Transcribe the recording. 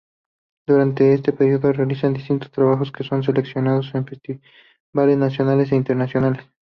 Durante este periodo realizan distintos trabajos que son seleccionados en festivales nacionales e internacionales.